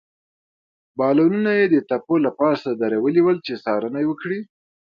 بالونونه يې د تپو له پاسه درولي ول، چې څارنه وکړي.